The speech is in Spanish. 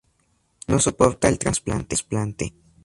No soporta el trasplante.